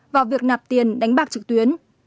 vào việc nạp tiền đánh bạc trực tuyến